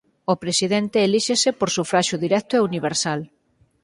O presidente elíxese por sufraxio directo e universal.